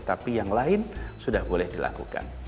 tapi yang lain sudah boleh dilakukan